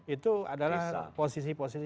itu adalah posisi posisi